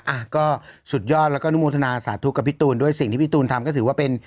อ่ะก็สุดยอดแล้วก็อนุโมทนาสาธุกับพี่ตูนด้วยสิ่งที่พี่ตูนทำก็ถือว่าเป็น